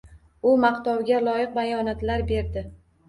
U maqtovga loyiq bayonotlar berdi